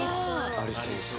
ありそう。